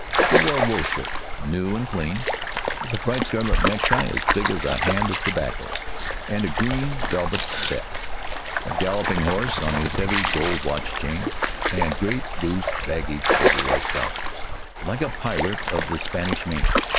He wore a blue wool shirt, new and clean, with a bright scarlet necktie as big as a hand of tobacco; and a green velvet vest, a galloping horse on his heavy gold watch chain, and great, loose, baggy corduroy trousers, like a pirate of the Spanish Main.